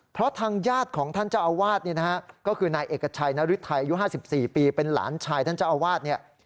เพราะทางญาติของท่านเจ้าอาวาสเนี่ยนะฮะก็คือนายเอกชัยนฤทัยอายุ๕๔ปีเป็นหลานชายท่านเจ้าอาวาสเนี่ย